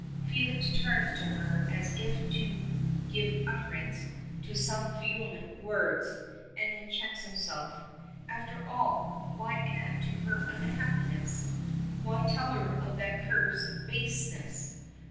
Felix turns to her as if to give utterance to some vehement words, and then checks himself. After all, why add to her unhappiness? Why tell her of that cur's baseness?